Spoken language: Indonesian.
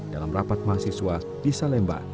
dalam rapat mahasiswa di salemba